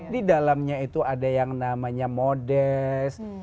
di dalamnya itu ada yang namanya modest